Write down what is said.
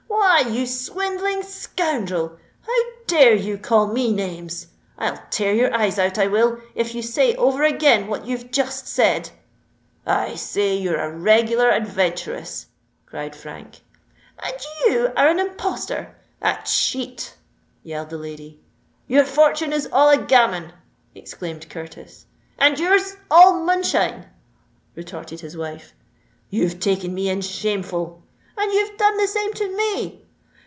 "Why, you swindling scoundrel, how dare you call me names? I'll tear your eyes out, I will, if you say over again what you've just said." "I say you're a regular adventuress!" cried Frank. "And you are an impostor—a cheat!" yelled the lady. "Your fortune is all a gammon!" exclaimed Curtis. "And your's all moonshine!" retorted his wife. "You've taken me in shameful!" "And you've done the same to me!"